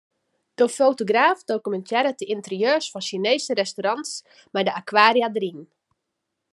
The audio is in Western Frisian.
De fotograaf dokumintearret de ynterieurs fan Sjineeske restaurants mei de akwaria dêryn.